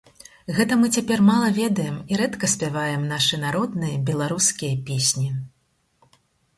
Гэта мы цяпер мала ведаем і рэдка спяваем нашы народныя беларускія песні.